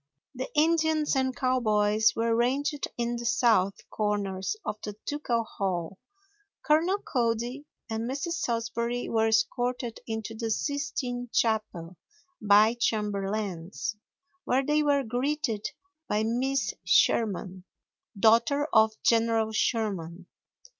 The Indians and cowboys were ranged in the south corners of the Ducal Hall. Colonel Cody and Mr. Salsbury were escorted into the Sistine Chapel by chamberlains, where they were greeted by Miss Sherman, daughter of General Sherman.